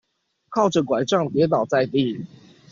靠著柺杖跌倒在地